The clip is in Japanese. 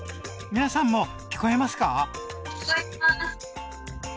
皆さんも聞こえますか？